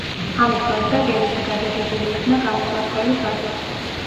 ამის გარდა რელიზი გადადებული იქნა განუსაზღვრელი ვადით.